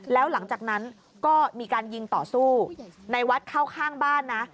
แล้วหลังจากนั้นก็มีการยิงต่อสู้ในวัดเข้าข้างบ้านนะ